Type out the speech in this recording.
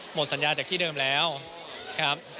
หมดสัญญาจากที่เดิมแล้วครับ